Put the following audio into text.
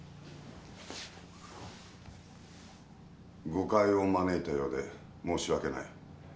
誤解を招いたようで申し訳ない。